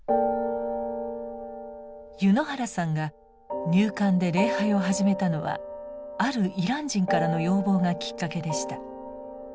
柚之原さんが入管で礼拝を始めたのはあるイラン人からの要望がきっかけでした。